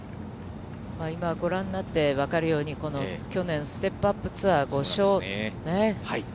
今ご覧になってわかるように、去年、ステップアップツアー５勝、ね。